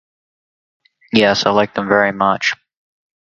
Yes, I like them very much.